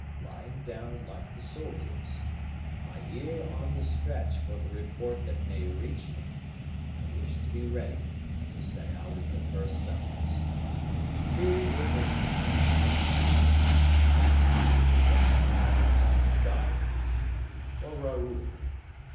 Lying down like the soldiers, my ear on the stretch for the report that may reach me, I wish to be ready to set out at the first summons. Who will make me that summons? life or death? God or Raoul?